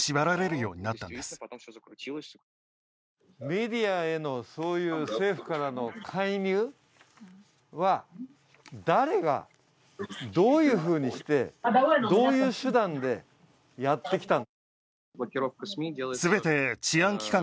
メディアへのそういう政府からの介入は誰が、どういうふうにして、どういう手段でやってきた？